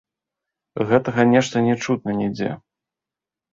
Гэтага нешта не чутна нідзе.